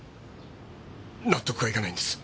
納得がいかないんです。